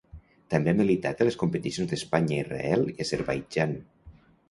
També ha militat a les competicions d'Espanya, Israel i Azerbaidjan.